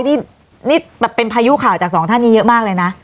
นี่แบบเป็นพายุข่าวจากสองท่านนี้เยอะมากเลยนะ